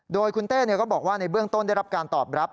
โดยคุณเต้ก็บอกว่าในเบื้องต้นได้รับการตอบรับ